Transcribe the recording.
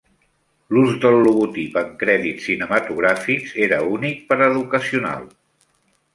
L'ús del logotip en crèdits cinematogràfics era únic per a Educational.